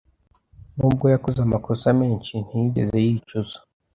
Nubwo yakoze amakosa menshi, ntiyigeze yicuza.